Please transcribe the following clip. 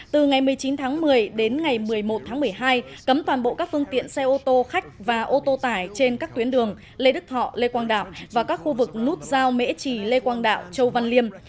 từ ngày một mươi chín tháng một mươi đến ngày một mươi một tháng một mươi hai cấm toàn bộ các phương tiện xe ô tô khách và ô tô tải trên các tuyến đường lê đức thọ lê quang đạo và các khu vực nút giao mễ trì lê quang đạo châu văn liêm